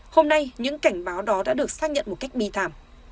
hôm nay những cảnh báo đó đã được xác nhận một cách bi thảm